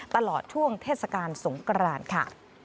ตลอดช่วงเทศกาลสงกรานค่ะ